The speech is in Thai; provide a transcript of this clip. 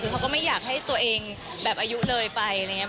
คือเขาก็ไม่อยากให้ตัวเองแบบอายุเลยไปอะไรอย่างนี้